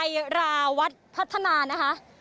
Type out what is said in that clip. ราวัฒน์พัฒนานะคะ